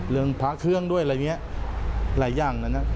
เรื่องพระเครื่องด้วยอะไรอย่างนั้นนะ